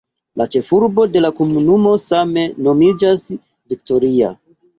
La ĉefurbo de la komunumo same nomiĝas "Victoria".